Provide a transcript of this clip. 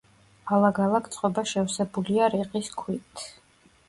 ალაგ-ალაგ წყობა შევსებულია რიყის ქვით.